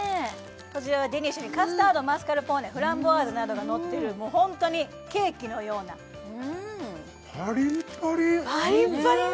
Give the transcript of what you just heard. こちらはデニッシュにカスタードマスカルポーネフランボワーズなどがのってるもうホントにケーキのようなパリンパリン！